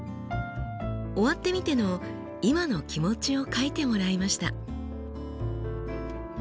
終わってみての今の気持ちを書いてもらいました。